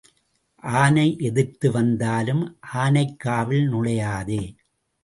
ஆனை எதிர்த்து வந்தாலும் ஆனைக்காவில் நுழையாதே.